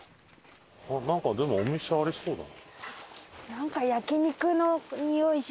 あっなんかでもお店ありそうだな。